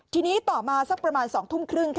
ทีนี้ต่อมาสักประมาณ๒ทุ่มครึ่งค่ะ